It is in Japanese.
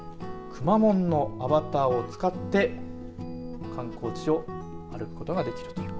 くまモンのアバターを使って観光地を見ることができるという。